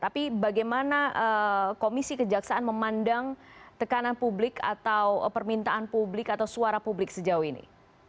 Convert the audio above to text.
tapi bagaimana komisi kejaksaan memandang tekanan publik atau permintaan publik atau suara publik sejauh ini